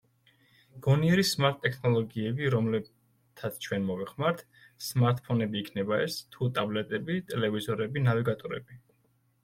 გონიერი, სმარტ-ტექნოლოგიებია, რომელთაც ჩვენ მოვიხმართ, სმარტ-ფონები იქნება ეს, თუ ტაბლეტები, ტელევიზორები, ნავიგატორები.